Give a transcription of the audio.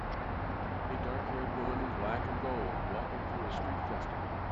A darkhaired woman in black and gold walking through a street festival.